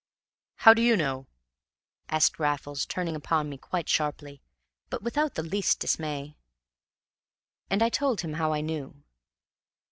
"How do YOU know?" asked Raffles, turning upon me quite sharply, but without the least dismay. And I told him how I knew.